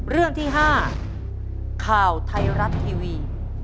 เรื่องที่๕ข่าวไทยรัฐทีวี